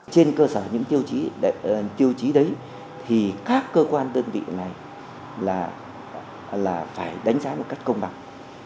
trên cơ sở những tiêu chí tiêu chí đấy thì các cơ quan đơn vị này là phải đánh giá một cách công bằng